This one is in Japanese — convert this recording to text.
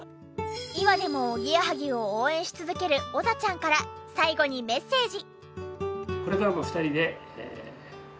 今でもおぎやはぎを応援し続けるおざちゃんから最後にメッセージ。